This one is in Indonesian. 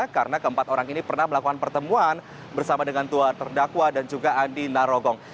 karena keempat orang ini pernah melakukan pertemuan bersama dengan tua terdakwa dan juga andi narogong